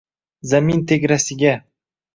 Zamin tegrasiga